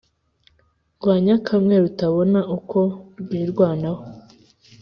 rwa nyakamwe rutabona uko rwirwanaho